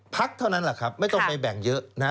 พักเท่านั้นแหละครับไม่ต้องไปแบ่งเยอะนะ